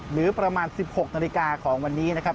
หรือประมาณ๑๖นาฬิกาของวันนี้นะครับ